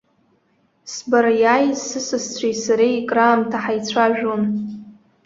Сбара иааиз сысасцәеи сареи краамҭа ҳаицәажәон.